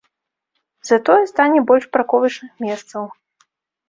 Затое стане больш парковачных месцаў.